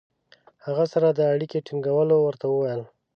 هغه سره د اړیکې ټینګولو ورته وویل.